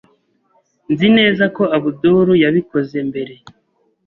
Nzi neza ko Abdul yabikoze mbere.